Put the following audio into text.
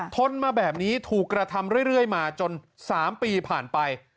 ทนมาแบบนี้ถูกกระทำเรื่อยมาจน๓ปีผ่านไป